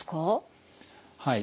はい。